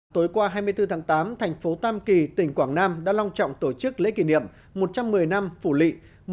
tối qua hai mươi bốn tháng tám thành phố tam kỳ tỉnh quảng nam đã long trọng tổ chức lễ kỷ niệm một trăm một mươi năm phủ lị